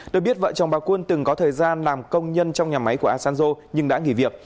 được biết vợ chồng bà quân từng có thời gian làm công nhân trong nhà máy của asanzo nhưng đã nghỉ việc